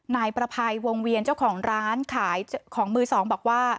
นายประภัยวงเวียนเจ้าของร้านขายของมือสองบอกว่า